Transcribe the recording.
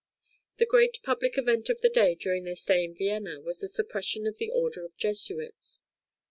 The great public event of the day during their stay in Vienna was the suppression of the order of Jesuits.